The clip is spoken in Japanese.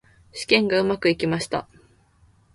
試験がうまくいきました。